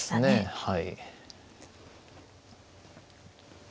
はい。